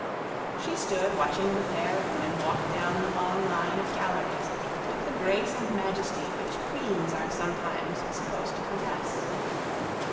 She stood watching the fair woman walk down the long line of galleries with the grace and majesty which queens are sometimes supposed to possess.